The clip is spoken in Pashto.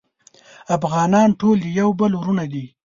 افغانان ټول د یو بل وروڼه دی